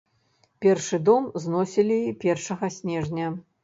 Першы дом зносілі першага снежня.